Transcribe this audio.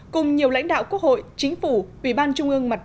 cùng nhiều lãnh đạo quốc hội chính phủ ubnd tổ quốc việt nam